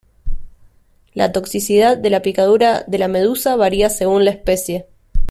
La toxicidad de la picadura de la medusa varía según la especie.